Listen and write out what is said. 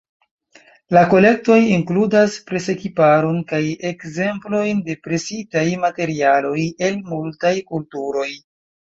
La kolektoj inkludas presekiparon kaj ekzemplojn de presitaj materialoj el multaj kulturoj.